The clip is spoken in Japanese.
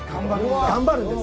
頑張るんです。